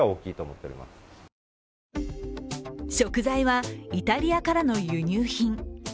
食材はイタリアからの輸入品。